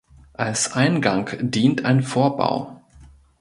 Als Eingang dient ein Vorbau.